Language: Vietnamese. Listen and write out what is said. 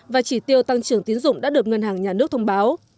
và chỉ tiêu tăng trưởng tiến dụng đã được ngân hàng nhà nước thông báo